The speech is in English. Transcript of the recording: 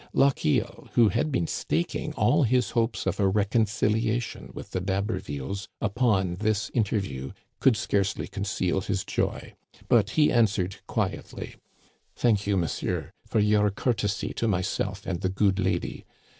Lochiel, who had been staking all his hopes of a rec onciliation with the D'Habervilles upon this interview, could scarcely conceal his joy ; but he answered qui etly: Thank you, monsieur, for your courtesy to myself and the good lady.